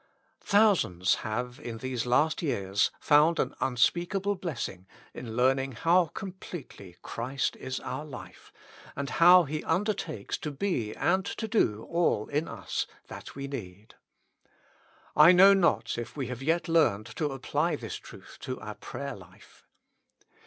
Thousands have in these last years found an unspeakable blessing in learning how completely Christ is our life, and how He undertakes to be and to do all in us that we need. I know not if we have yet learned to apply this truth to our prayer life.